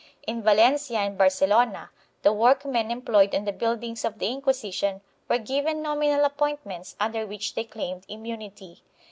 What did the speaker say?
In Valencia and Barcelona the workmen employed on the buildings of the Inquisition were given nominal appointments under which they claimed immunity.